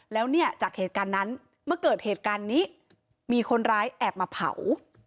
แล้วเนี่ยจากเหตุการณ์นั้นเมื่อเกิดเหตุการณ์นี้มีคนร้ายแอบมาเผา